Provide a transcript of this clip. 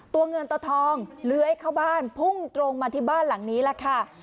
ตัวเงินตัวทองเลื้อยเข้าบ้านพุ่งตรงมาที่บ้านหลังนี้แหละค่ะ